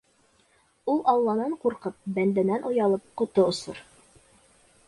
Ул алланан ҡурҡып, бәндәнән оялып ҡото осор.